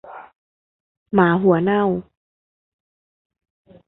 หมาหัวเน่า